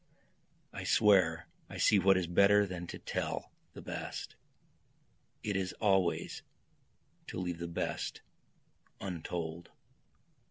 I swear I see what is better than to tell the best, It is always to leave the best untold.